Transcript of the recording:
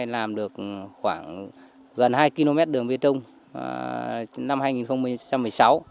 làm được khoảng gần hai km đường về chung năm hai nghìn một mươi sáu